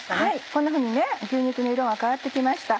こんなふうに牛肉の色が変わって来ました。